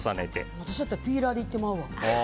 私だったらピーラーでいってまうわ。